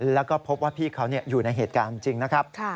แล้วก็พบว่าพี่เขาอยู่ในเหตุการณ์จริงนะครับ